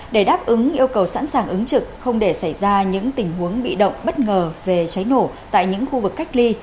để đáp ứng yêu cầu sẵn sàng ứng trực không để xảy ra những tình huống bị động bất ngờ về cháy nổ tại những khu vực cách ly